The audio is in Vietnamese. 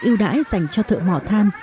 ưu đãi dành cho thợ mỏ than